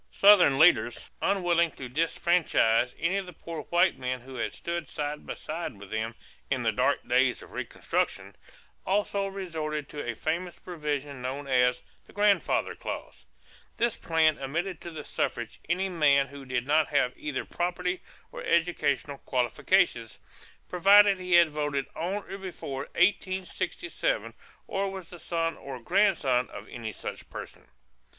Southern leaders, unwilling to disfranchise any of the poor white men who had stood side by side with them "in the dark days of reconstruction," also resorted to a famous provision known as "the grandfather clause." This plan admitted to the suffrage any man who did not have either property or educational qualifications, provided he had voted on or before 1867 or was the son or grandson of any such person.